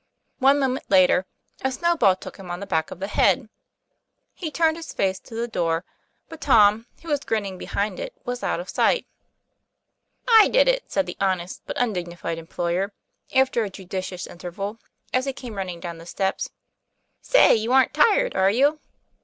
One moment later, a snowball took him on the back of the head. He turned his face to the door, but Tom, who was grinning behind it, was out of sight. 'I did it," said the honest but undignified em ployer, after a judicious interval, as he came running down the steps. ;' Say, you're tired, aren't you?"